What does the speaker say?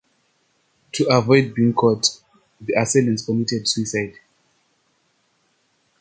To avoid being caught, the assailants committed suicide.